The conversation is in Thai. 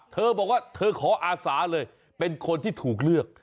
เธอบอกว่าเธอขออาสาเลยเป็นคนที่ถูกเลือก